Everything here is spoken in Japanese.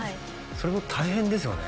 それも大変ですよね？